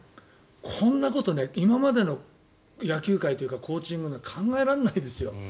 こんなこと今までの野球界というかコーチングでは考えられないですよ。